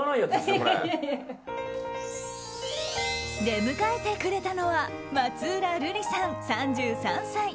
出迎えてくれたのは松浦瑠莉さん、３３歳。